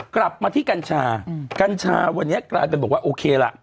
กลับมาที่กัญชากัญชาวันนี้กลายเป็นบอกว่าโอเคล่ะ